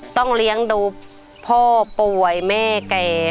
ต้องเลี้ยงดูพ่อป่วยแม่แก่